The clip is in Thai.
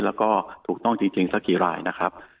แล้วก็ถูกต้องจริงสักกี่รายนะครับ